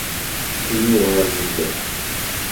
Knu ɣer sdat.